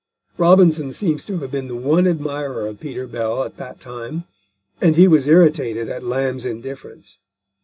Robinson seems to have been the one admirer of Peter Bell at that time, and he was irritated at Lamb's indifference.